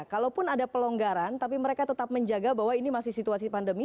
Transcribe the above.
kalaupun ada pelonggaran tapi mereka tetap menjaga bahwa ini masih situasi pandemi